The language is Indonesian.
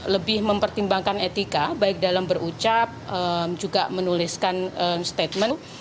lebih mempertimbangkan etika baik dalam berucap juga menuliskan statement